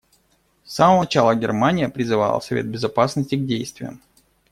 С самого начала Германия призывала Совет Безопасности к действиям.